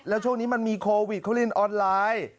แล้วช่วงนี้มันมีโควิดเขาเรียนออนไลน์